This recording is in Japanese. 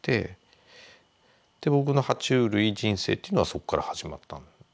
で僕のは虫類人生っていうのはそっから始まった。